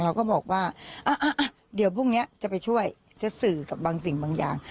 เราก็บอกว่าเดี๋ยวพรุ่งนี้จะไปช่วยจะสื่อกับบางสิ่งบางอย่าง